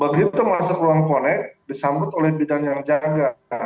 begitu masuk ruang connect disambut oleh bidang yang jaga